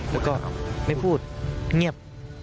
แล้วก็ไม่พูดเงียบ